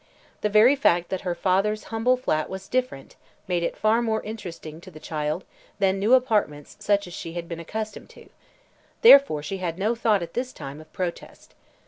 The very fact that her father's humble flat was "different" made it far more interesting to the child than new apartments such as she had been accustomed to. Therefore she had no thought, at this time, of protest.